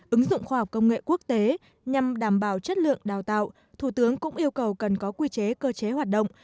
ứng dụng khoa học công nghệ quốc tế nhằm đảm bảo chất lượng đào tạo thủ tướng cũng yêu cầu cần có quy chế cơ chế hoạt động